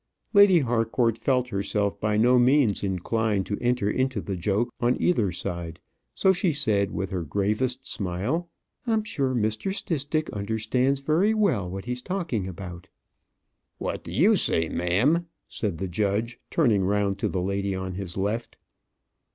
Lady Harcourt felt herself by no means inclined to enter into the joke on either side; so she said, with her gravest smile, "I'm sure Mr. Stistick understands very well what he's talking about." "What do you say, ma'am?" said the judge, turning round to the lady on his left.